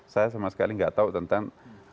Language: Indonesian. saya sama sekali nggak tahu tentang